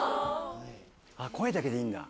声だけでいいんだ。